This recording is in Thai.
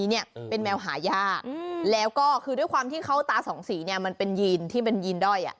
เนี่ยเป็นแมวหายากแล้วก็คือด้วยความที่เขาตาสองสีเนี่ยมันเป็นยีนที่เป็นยีนด้อย